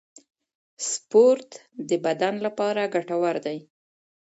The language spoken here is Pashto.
سپورت د بدن لپاره ګټور دی